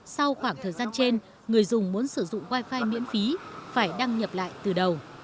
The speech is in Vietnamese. sau khoảng thời gian trên người dùng muốn sử dụng wifi miễn phí phải đăng nhập lại từ đầu